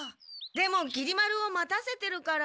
でもきり丸を待たせてるから。